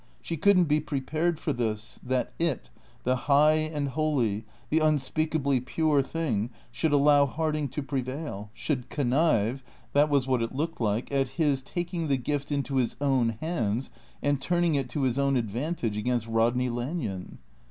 She couldn't be prepared for this that it, the high and holy, the unspeakably pure thing should allow Harding to prevail, should connive (that was what it looked like) at his taking the gift into his own hands and turning it to his own advantage against Rodney Lanyon.